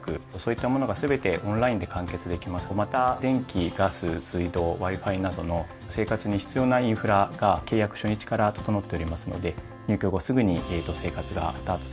また電気ガス水道Ｗｉ−Ｆｉなどの生活に必要なインフラが契約初日から整っておりますので入居後すぐに生活がスタートすることができます。